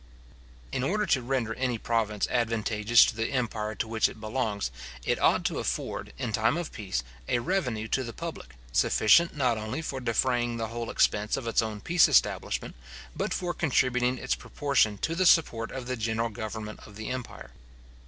In order to render any province advantageous to the empire to which it belongs, it ought to afford, in time of peace, a revenue to the public, sufficient not only for defraying the whole expense of its own peace establishment, but for contributing its proportion to the support of the general government of the empire.